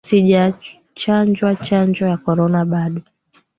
Sijachanjwa chanjo ya korona bado